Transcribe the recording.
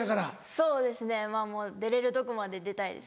そうですねまぁもう出れるとこまで出たいです。